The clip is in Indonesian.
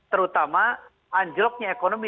terutama anjloknya ekonomi